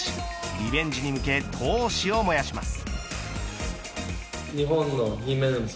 リベンジに向け闘志を燃やします。